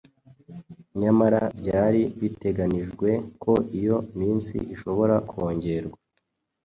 nyamara byari biteganijwe ko iyo minsi ishobora kongerwa